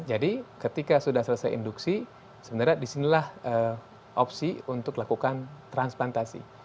jadi ketika sudah selesai induksi sebenarnya disinilah opsi untuk lakukan transplantasi